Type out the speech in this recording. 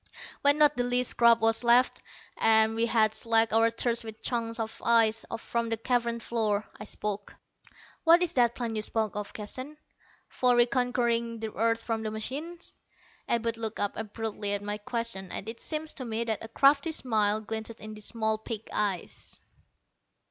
When not the least scrap was left, and we had slaked our thirst with chunks of ice from the cavern floor, I spoke. "What is that plan you spoke of, Keston, for reconquering the earth from the machines?" Abud looked up abruptly at my question, and it seemed to me that a crafty smile glinted in the small pig eyes.